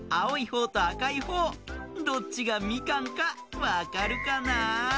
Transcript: ほうとあかいほうどっちがみかんかわかるかな？